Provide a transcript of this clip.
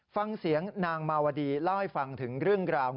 ฟังเสียงนางมาวดีเล่าให้ฟังถึงเรื่องราว